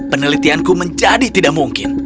penelitianku menjadi tidak mungkin